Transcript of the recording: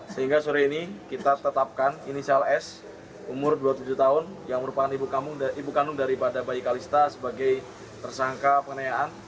sehingga sore ini kita tetapkan inisial s umur dua puluh tujuh tahun yang merupakan ibu kandung daripada bayi kalista sebagai tersangka penganiayaan